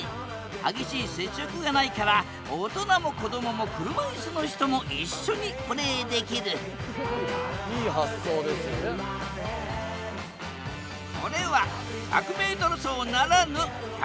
激しい接触がないから大人も子どもも車椅子の人も一緒にプレーできるこれは１００ｍ走ならぬ１００ｃｍ走。